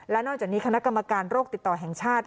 และนอกจากนี้คณะกรรมการโรคติดต่อแห่งชาติ